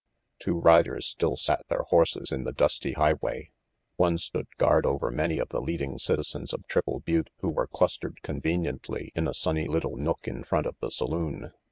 Two riders still sat their horses in the dusty highway. One stood guard over many of the leading citizens of Triple Butte who were clustered con veniently in a sunny little nook in front of the saloon.